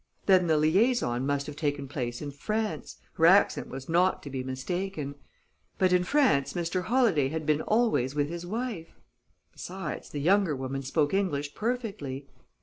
Then the liaison must have taken place in France her accent was not to be mistaken; but in France Mr. Holladay had been always with his wife. Besides, the younger woman spoke English perfectly.